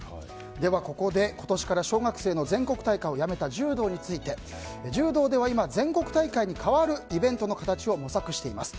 ここで今年から小学生の全国大会をやめた柔道について柔道では今、全国大会に代わるイベントの形を模索しています。